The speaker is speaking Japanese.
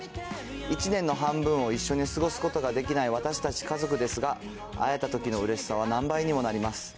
１年の半分を一緒に過ごすことができない私たち家族ですが、会えたときのうれしさは何倍にもなります。